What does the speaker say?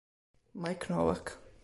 Mike Novak